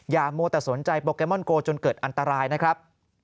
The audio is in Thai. มัวแต่สนใจโปเกมอนโกจนเกิดอันตรายนะครับ